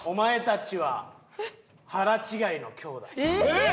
えっ！